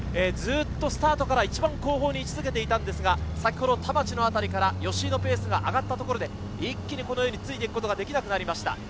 ずっとスタートから後方に位置付けていたんですが田町のあたりから吉居のペースが上がったところで一気についていくことができなくなりました。